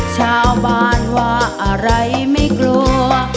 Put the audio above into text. ชาวบ้านว่าอะไรไม่กลัว